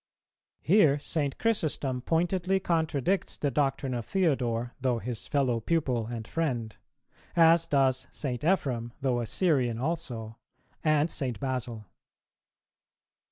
Here St. Chrysostom pointedly contradicts the doctrine of Theodore, though his fellow pupil and friend;[290:1] as does St. Ephrem, though a Syrian also;[290:2] and St. Basil.